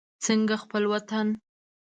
څنګه خپل وطن.